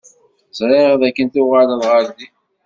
Ẓriɣ dakken tuɣaleḍ ɣer din.